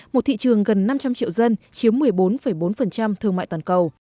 một thị trường gần năm trăm linh triệu dân chiếm một mươi bốn bốn thương mại toàn cầu